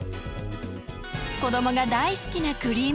子どもが大好きなクリーム風味。